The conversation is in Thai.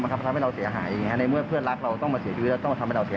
เราก็เสียหายเพื่อนเราก็เสียหายอะไรแบบนี้